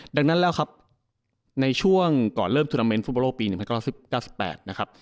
ดังนั้นแล้วครับในช่วงก่อนเริ่มทุนาเมนต์ฟุตบอลโลกปี๑๐๙๙๘นะครับ